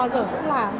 một trong những người